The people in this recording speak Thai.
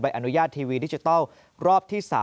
อนุญาตทีวีดิจิทัลรอบที่๓